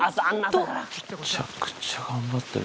めちゃくちゃ頑張ってる。